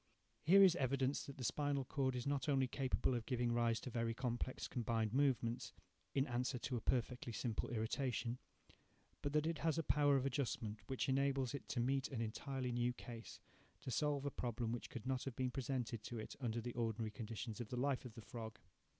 Here is evidence that the spinal cord is not only capable of giving rise to very complex combined movements, in answer to a perfectly simple irritation; but that it has a power of adjustment which enables it to meet an entirely new case—to solve a problem which could not have been presented to it under the ordinary conditions of the life of the frog.